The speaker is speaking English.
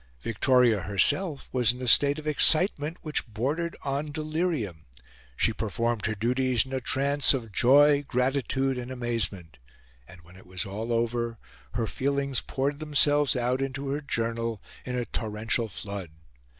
Victoria herself was in a state of excitement which bordered on delirium. She performed her duties in a trance of joy, gratitude, and amazement, and, when it was all over, her feelings poured themselves out into her journal in a torrential flood.